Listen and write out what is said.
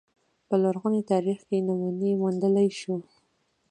په لرغوني تاریخ کې نمونې موندلای شو